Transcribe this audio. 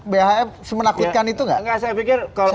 bhf menakutkan itu gak